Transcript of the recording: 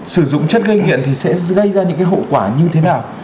sử dụng chất gây nghiện thì sẽ gây ra những hậu quả như thế nào